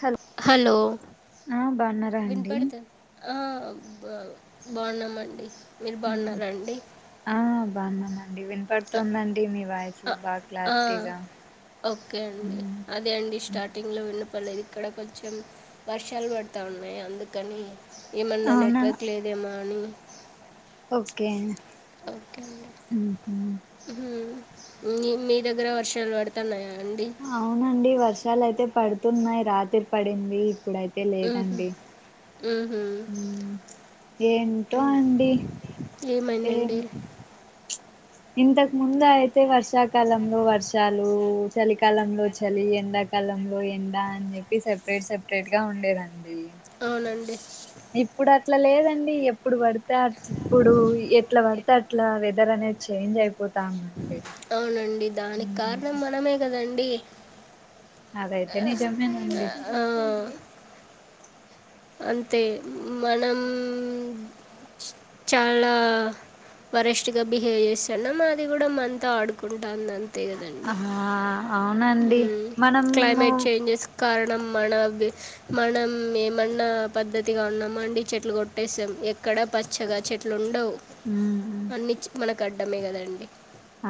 Hello hello ఆ బాగున్నారా అండి వినిపడు ఆ బా బాగున్నామండి మీరు బాగున్నార అండి ఆ బాగున్నామండి వినపడుతుందండి మీ వాయిస్ ఆ, బాగ ఆ, క్లారిటీగా ఓకే అండి అదే అండి స్టార్టింగ్లో విన్న వాళ్ళది ఇక్కడ కొంచెం వర్షాలు పడతాన్నాయి అందుకని ఏమన్నా అవునా నెట్వర్క్ లేదేమో అని ఓకే ఓకే అండి హ్మ్ మీ మీ దగ్గర వర్షాలు పడతన్నాయా అవునండి వర్షాలు అయితే పడుతున్నాయి్ రాత్రి పడింది ఇప్పుడై తే లేదండి ఉహ్మ్ ఏంటో హ్మ్ అండి ఏం ఏమైందండి ఇంతకు ముందు అయితే వర్షాకాలంలో వర్షాలు చలికాలంలో చలి ఎండ డ కాలంలో ఎండ అని చెప్పి సపరేట్ సపరేట్గా ఉండేదండి అవునండి ఇప్పుడు అట్లా లేదండి ఎప్పుడు పడితే అ ఇప్పుడు ఎట్లా పడితే అట్లా వెదర్ అనేది చేంజ్ అయిపోతాదండి అవునండి దానికి కారణం మనమే కదండి అదైతే నిజమేనండి ఆ అంతే మనం చాలా వరస్ట్గా బిహేవ్ చేస్థానం మాది కూడా మంతో ఆడుకుంటాంది అంతే ఆ కదండి అవునండి హ్మ్ మనము క్లైమేట్ చేంజెస్ కారణం మన మనం ఏమన్నా పద్ధతిగా ఉన్నాము అండి చెట్లు కొట్టేసాం ఎక్కడా పచ్చగా చెట్లు ఉండవు ఉమ్, అన్ని మనకు అడ్డమే కదండి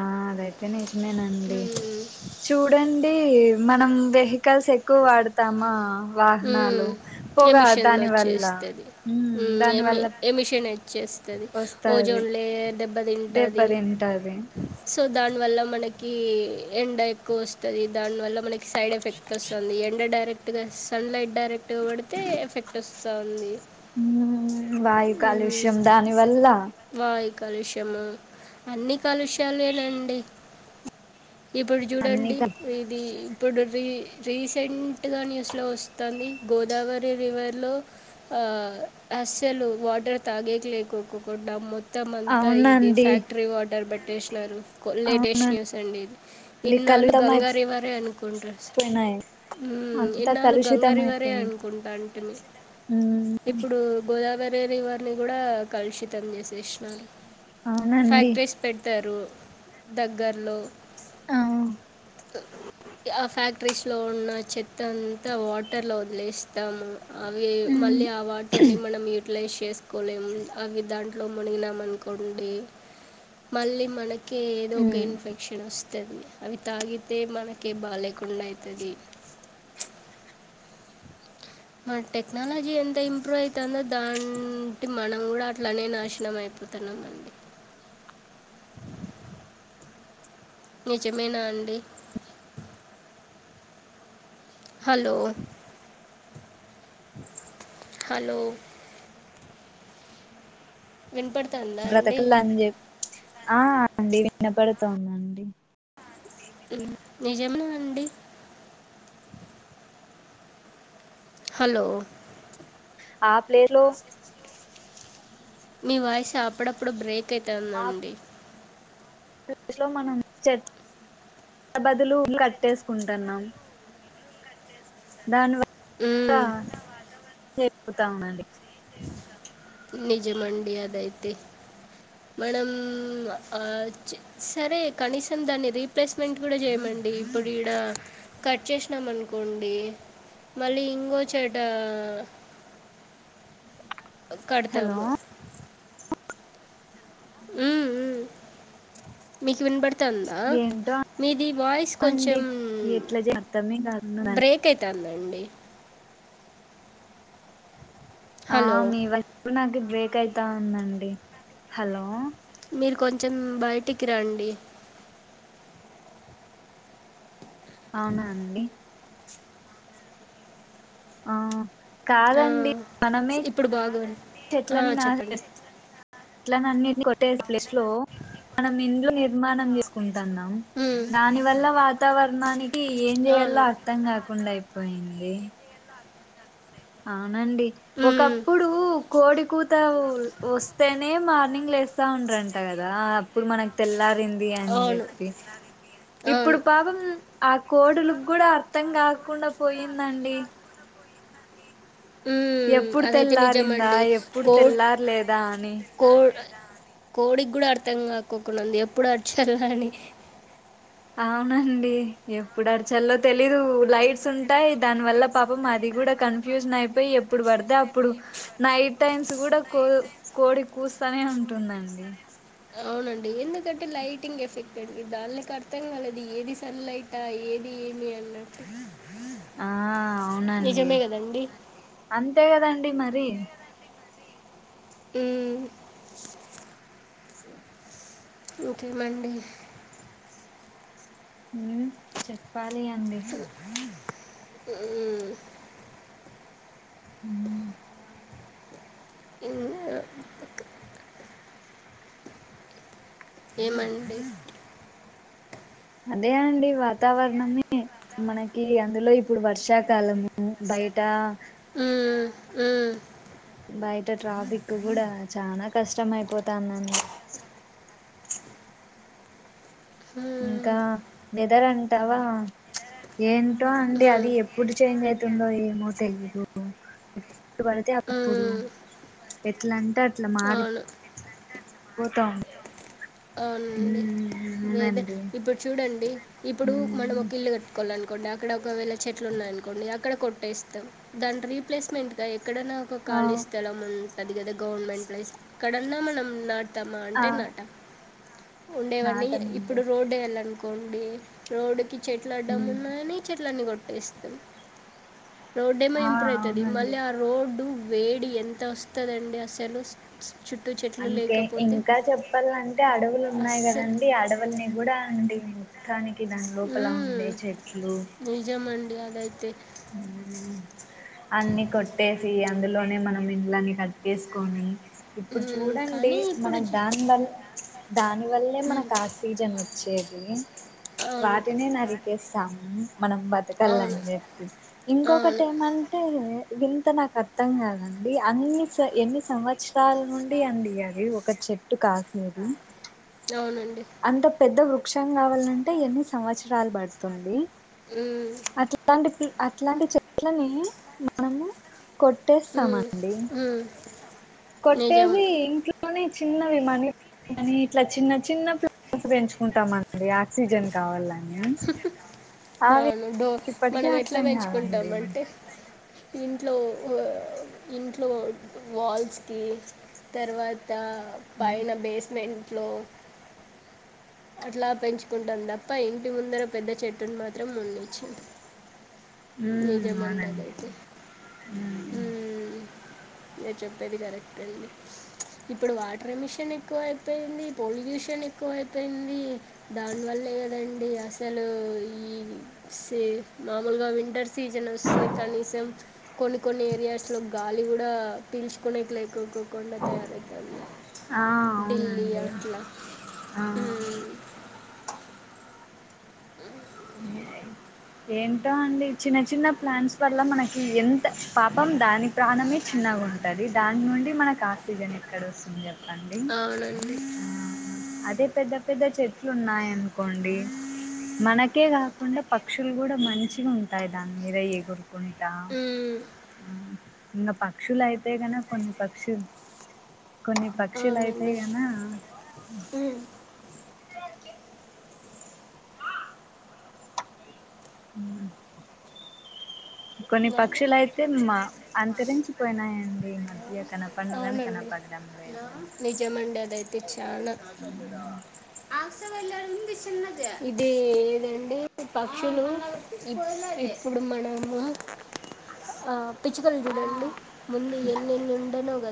ఆ అదైతే నిజమేనండి మ్మ్. చూడండి మనం వెహికల్స్ ఎక్కువ వాడతామా ఉ వాహనాలు పొగ ఎమిిషన్ దాని వల్ల వచ్చేస్తది దాని ఏమి వల్ల ఏమిిషన్ చేస్తది వస్తది ఓజోన్ లేయర్ దెబ్బ తింటాది దెబ్బతింటది సో దాని వల్ల మనకి ఎండ ఎక్కువ వస్తుంది దాని వల్ల మనకి సైడ్ ఎఫెక్ట్ వస్తుంది ఎండ డైరెక్ట్గా సన్ లైట్ డైరెక్ట్గా పడితే ఎఫెక్ట్ వస్తుంది వాయు కాలుష్యం దానివల్ల కలుషము అన్ని కలుషాలేనండి ఇప్పుడు అన్ని చూడండి క ఇది ఇప్పుడు రీ రీసెంట్గా న్యూస్ లో వస్తు వస్తుంది గోదావరి రివర్లో ఆ అస్సలు వాటర్ తాగేకి లేకోకుకుండా మొత్తం మొత్తం అంతా ఇది అవునండి ఫ్యాక్టరీ వాటర్ పెట్టేసినారు లేటెస్ట్ అవునండి న్యూస్ అండి ఇది ఇన్నాళ్ళు కలుషితం గంగ రివారే అనుకుంటూ అయిపోయినాయి హ్మ్ అంతా ఇన్నాళ్ళు గంగ కలుషితం రివర్ఎ అయిపోయింది అనుకుంటాంటిమి ఉమ్ ఇప్పుడు గోదావరి రివర్ని కూడా కలుషితం చేసేసినారు అవునండి ఫ్యాక్టరీస్ పెడతారు దగ్గర్లో అ ఆ ఫ్యాక్టరీస్లో ఉన్న చెత్త అంతా వాటర్లో వదిలేస్తాము అవి ఉమ్ మళ్ళీ ఆ వాటర్ని మనం ఊ్టిలైజ్ చేసుకోలేం అవి దాంట్లో మునిగినం అనుకోండి మళ్ళీ మనకి ఏదోక ఉమ్ ఇన్ఫెక్క్షన్స్తు ది అవి తాగితే మనకే బాలేకుండా అయితది మన టెక్నాలజీ ఎంత ఇంప్రూవ్ అవుతుందో దాంటి మనం కూడా అట్లనే నాశనం అవుతుంది అయిపోతాణమండి నిజమేనా అండి హలో హలో వినపడ్ బ్రతకల అని చె ఆ అండి వినపడతోంది నిజమా అండి హలో ఆ ప్లేర్ లో మీ వాయిస అప్పుడప్పుడు బ్రేక్ అయితా ఆ ఉందండి లో మనం చె బదులు కట్టేసుకుంటున్నాం ధన్వా మ్మ్ చేపోతా ఉనండి నిజం మడి అదైతే మనం ఆ సరే కనీసం దాన్ని రీప్లేస్మెంట్ కూడా చేయమండి ఇప్పుడు ఈడ కట్ చేసినాం అనుకోండి మళ్ళీ ఇంకో చెట అ కడుతము మ్మ్ మీకు వినబడుతందా ఏంటో మీది వాయిస్ అండి కొంచెం ఎట్లా చే అర్థమే కాకుండాండి బ్రేక్ అయితుందండి ఆ మీ వాయిస్ కూడా నాకు బ్రేక్ అయితా ఉందండి హలో మీరు కొంచెం బయటికి రండి అవునా అండి ఆ ఆ, కాదండి మనమే ఇప్పుడు బాగుంది ఆ, చెట్లని నా చెప్పండి చె అట్లాన్ని కొట్టే ప్లేస్ లో మనం ఇండ్లు నిర్మాణం చేసుకుంటున్నాం ఉమ్, దాని వల్ల వాతావరణానికి ఏం అవును చేయాలో అర్థం కాకుండా అయిపోయింది అవునండి ఉమ్, ఒకప్పుడు కోడి కూతు వస్తేనే మార్నింగ్ లేస్తా ఉండ్రంట కదా అప్పుడు మనకి తెల్లా మరింది అని అవును చెప్పి అవును ఇప్పుడు పాపం ఆ కోడులుకి కూడా అర్థం కాకుండా పోయిందండి ఉ ఎప్పుడు అదైతే తెల్లారిందా నిజమండి ఎప్పుడు కోట్ తెల్లారలేదా అని కో కోడికి కూడా అర్థం కాక్కక్కడా ఉంది ఎప్పుడు అర్చలా అని అవునండి ఎప్పుడు అరచల్లో తెలీదు లైట్స్ ఉంటాయి దానివల్ల పాపం మాది కూడా కన్ఫ్యూజన్ అయిపోయి ఎప్పుడు పడతే అప్పుడు నైట్ టైమ్స్ కూడా కోడి కూచ వస్తానే ఉంటుందండి అవునండి ఎందుకంటే లైటింగ్ ఎఫెక్ట్ అండి దానినికి అర్థం కాలేదు ఏది సన్ లైట్ అహ ఏది ఏమి అనట్టు ఆ అవునండి గదండీ! అంతే కదండి మరి మ్మ్ ఇంకేమండి చెప్పాలి అండి మ్మ్ అవునా ఈ హ్ ఏమండి అదే అండి వాతావరణమే మనకి అందులో ఇప్పుడు వర్షా కాలము బైట ఊమ్ బయట ట్రాఫిక్ గూడ చనా కష్టం అయిపోతా నన్ను హ్మ్. ఇంకా వెదర్ అంటావ ఏం టో అండి హ్మ్. అది ఎప్పుడు చేంజ్ అవుతుందో ఏమో తెలీదు ఎప్పుడు పడితే అప్పుడు హ్మ్. ఎట్ల అంటే అట్ అవును పోత ఉండె అవునండి వేదే అవునండి ఇప్పుడు చూడండి ఇప్పుడు మనం ఉమ్ ఒక ఇల్లు కట్టుకోవాలి అనుకోండి ఇక్కడ ఒకవేళ చెట్లు ఉన్నాయినుకోండి అక్కడ కొట్టేస్తాం దాని రీప్లేస్మెంట్ గ ఎక్కడన్న ఒక ఆ ఖళీ స్థలం ఉంటంది కద గవర్నమెంట్ ప్లేస్ ఎక్కడన్నా మనం నా ఆ అంటే నాట ఉండేవన్నీ నాటమండి ఇప్పుడు రోడ్డు [inaudible] అనుకోండి రోడ్డు కి చెట్లు అడ్డం ఉమ్ ఉన్నాయని చెట్లన్నీ కొట్ ఇస్తం రోడ్ ఏమో ఆ ఇంప్రూవ్ అవుతుది అవునండి మళ్ళీ ఆ రోడ్డు వేడి ఎంత ఒస్తదండి అసలు చుట్టూ చెట్లు అంటె లేకపోతే ఇంక చెప్పాలం టె అడవులు ఉన్నాయి అస్సలు కదండి అడవుల్ని కూడ అండి దానికి దాని లోపల మ్మ్. ఉండే చెట్లు నిజమండి అదైతే ఊమ్ అన్ని కొట్టేసి అ అందులోనే మనం ఇళ్లని కట్ చేసుకోని ఇప్పుడు మ్మ్. చూడండి కానీ ఇప్పుడు మనకు జి- దాన్బల్ దాని వల్లే మ్మ్. మనకు ఆక్సిజన్ వచ్చేది అవును వాటినె నరికేస్తాము మనం బతకాలని అవును జెప్పి ఇంకొకటి అవును ఏమంటే వింత నాకు అర్థం కాదండి అన్ని స ఎన్ని సంవత్సరాల నుండి అండి అది ఒక చెట్టు కాసేది అవునండి అంత పెద్ద వృక్షం కావాలంటే ఎన్ని సంవత్సరాలు బడుతుంది ఉమ్ అట్లాంటివి అట్లాంటి చెట్లనే మనము కొట్టేస్తామ ఉమ్, అండి ఉమ్. నిజం కొట్టేసి ఇంట్లోనే చిన్న విమాని కాని ఇట్ల చిన్న చిన్న ప్లాన్స్ పెంచుకుంటాం మనం ఇది ఆక్సిజన్ కావాలని అవి అవును డో నాకు ఇప్పటికీ మనం ఎట్ల అర్థం పెంచుకుంటాం కాదండి అంటె ఇంట్లో ఇంట్లో వాల్స్కి తర్వా త ఉమ్ పైన బేస్మెంట్ లో అట్లా పెంచుకుంటాం తప్ప ఇంటి ముందర పెద్ద చెట్టుని మాత్రం మునిచ్చ ఉమ్, నిజమండి అవునండి అదయితే ఉమ్ మీర్ చెప్పేది కరెక్ట్ అండి. ఇప్పుడు వాటర్ మిషన్ ఎక్కువ అయిపోయింది. పొల్యూషన్ ఎక్కువ అయిపోంది. అయింది దానివల్లే కదండి అసలు ఈ సే మాములు వింటర్ సీజన్ వస్తే కనీసం కొన్ని కొన్ని ఏరియాస్ లో గాలి కూడా పీల్చుకొ మైక్ లైకోకుకుండా తయారైతాన్ది ఆ ఢిల్లీ అవునండి అట్ల ఆ అ ఏ ఏంటో అండి చిన్న చిన్న ప్లాన్స్ వల్ల మనకి ఎంత పాపం దాని ప్రాణమే చిన్న గా ఉంటది దాని నుండి మన ఆర్సిజన్ ఎక్కడ వస్తుంది. చెప్పండి అవునండి ఆ అదే పెద్ద పెద్ద చె లున్నాయినుకోండి మనకే కాకుండా ప క్షులు కూడా మంచిగా ఉంటాయి దాని మీద ఎగురుకుంటా మ్మ్. ఆ ఇంకా పక్షులు అయితే కన కొన్ని పక్షులు కొన్ని పక్షులు అయితాయి అవునండి కనా మ్మ్. అ కొన్ని అవును. పక్షులయితే మా అంతరించిపోయినాయండి ఈ మధ్య కనపడను గాని అవునండి కనపడ్డం లేదు నిజమండి అదైతే చనా ఇదే ఇదండి పక్షులు ఇప్పుడు మనము ఆ పిచ్చకల్గుడాళ్ళు ముందు ఎన్నిఎన్నినుండనో గ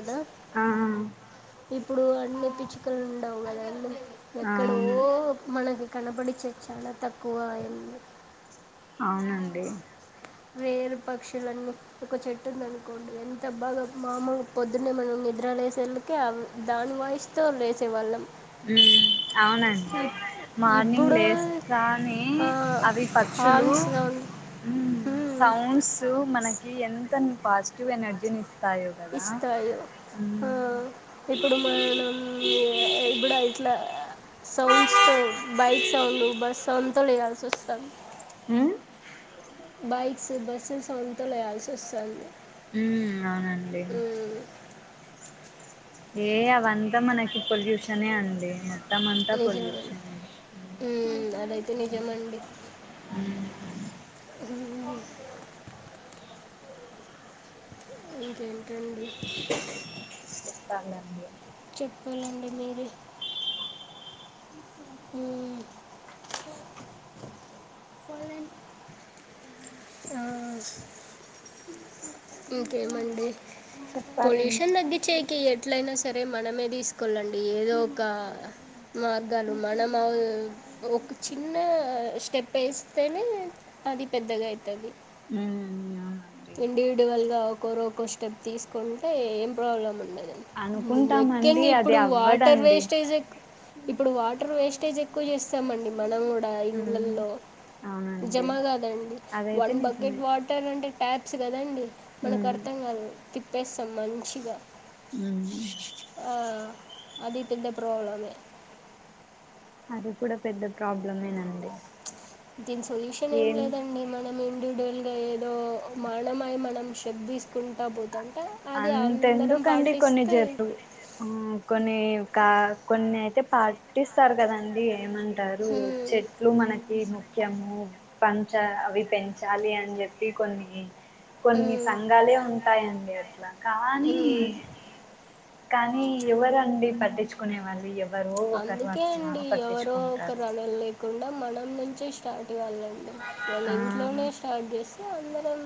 ఆహ ఇప్పుడు అన్ని పిచ్చుకలు ఉండవు కదాండి ఎక్కడో అవును మనక కనబడి చెచ్చానా తక్కువ అయింది అవునండి వేరు పక్షులన్నీ ఒక చెట్టు ఉంది అనుకోండి ఎంత బాగా మామలుగా పొద్దు పొద్దున్నే మనం నిద్ర లేసేళ్కే దాని వాయిస్తో లేసేవాళ్ళం. మ్ అవునండి ఇప్- మార్నింగ్ ఇప్పుడు లేస్తనీ అవి పక్షులు హార్న్ సౌండ్ ఉహు హ్మ్. సౌండ్స్ మనకి ఎంత పాజిటివ్ ఎనర్జీని ఇస్తాయో కదా ఇస్తాయో ఆ ఉమ్ ఇప్పుడు మనం ఎ ఇప్పుడు ఐ ఇట్లా సౌండ్స్తో బైక్ సౌండ్, బస్ సౌండ్తో లెయాల్సి వస్తాంది. హ బైక్స్ బస్సెస్ సౌండ్స్ తో లెయాల్సి వస్తది. ఉ అవునండి ఏ అవంతా మనకి పొల్యూషనే అండి మొత్తం అంతా నిజమె పొల్యూషనే మ్ అదైతే నిజమండి అహ ఇంకేంటండి? చెప్పాలండి చెప్పాలండి మీరే? అ పోలేన్ ఆ ఇంకేంమండి చెప్పాలండి పొల్యూషన్ తగ్గించేకి ఎట్లయినా సరే మనమే తీసుకోవళండి ఏదో ఒక మార్గాలు మనం అవు ఒక చిన్న స్టెప్ వేస్తేనే అది పెద్దగా అయి ఉ అవును ఆంటి ఇండివిడ్యువల్ గా ఒకరక్క స్టెప్ తీసుకుంటే ఏం ప్రాబ్లం ఉండదు. అనుకుంటామండి ముఖ్యంగా అది ఇప్పుడు వాటర్ అవ్వదండి వేస్టేజ్ ఇప్పుడు వాటర్ వేస్టేజ్ ఎక్కువ చేస్తామండి మనం కూడా దా ఉమ్ ఇళ్లల్లో అవునండి జమ కాదండి అదైతే వన్ బకెట్ నిజమే వాటర్ అంటే ట్యాబ్స్ కదండి మనకు అర్థం కాదు తిప్పేస్తాం మంచిగా అ ఆ, అది తింటే ప్రాబ్లమె అది కూడా పెద్ద ప్రాబ్లమేనండి దీని సొల్యూషన్ ఏం లేదండి మనం ఏం డోల్గా ఏదో మరణంమై మనం షక్ తీసుకుంటా పోతాం అంతెందుకండి కొన్ని జదు ఆ కొన్నికా కొన్ని అయితే పా పుట్టిస్తారు కదండి ఏమంటారు హ్మ్, చెట్లు మనకి ముఖ్యము పంచ అవి పెంచాలి అని జెప్పి కొన్ని కొన్ని హ్మ్, సంఘాలే ఉంటాయండి అట్ల కానీ హ్మ్. కానీ ఎవరండి పట్టించుకునే వాళ్ళు ఎ అందుకే అండి ఎవరో ఒక రనులు లేకుండా మన మన నుంచే స్టార్ట్ కావ్వలండి మన ఇంట్లోనే ఆ స్టార్ట్ చేస్తే అందర్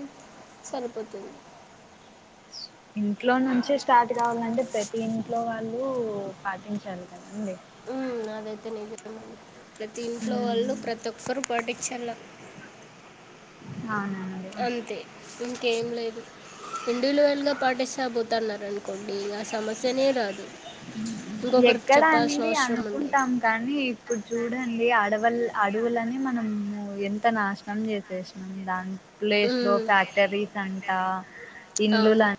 సరిపోతుంది ఇంట్లో నుంచే స్టార్ట్ కావాలంటే ప్రతి ఇంట్లో వాళ్ళు నువ్వు పాటించాలి కదండి అదైతే నిజమండి ప్రతి ఇంట్లో వాళ్ళు మ్మ్ ప్రతి ఒక్కరు పాటిక్షళ్ళ అవునండి అంతే ఇంకేం లేదు ఇండివిజువల్ గా పాటిస్తాబోతన్నరు అనుకోండి ఇంగ ఆ సమస్యనే రాదు ఇంకొకరికి ఎక్కడ చెప్పాల్సిన అండి అవసరం ఉండదు అనుకుంటాం కానీ ఇప్పుడు చూడండి ఆడవల్ల అడవులని మనము ఎంత నాశనం చేసేసినం దాని ప్లేస్ లో ఉమ్, ఫ్యాక్టరీస్ అంతా అవును ఇంలుల